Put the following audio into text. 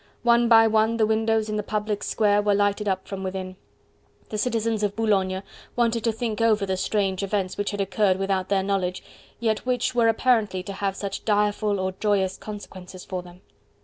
One by one the windows in the public square were lighted up from within. The citizens of Boulogne wanted to think over the strange events which had occurred without their knowledge, yet which were apparently to have such direful or such joyous consequences for them.